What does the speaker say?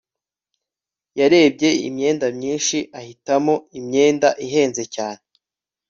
yarebye imyenda myinshi ahitamo imyenda ihenze cyane